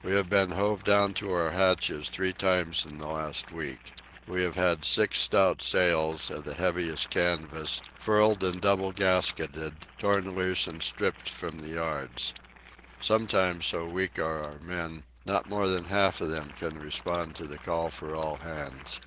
We have been hove down to our hatches three times in the last week. We have had six stout sails, of the heaviest canvas, furled and double gasketed, torn loose and stripped from the yards. Sometimes, so weak are our men, not more than half of them can respond to the call for all hands.